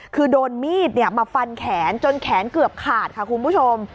คือโดนมีดมาฟันแขนจนแขนเกือบขาดค่ะคุณผู้ชม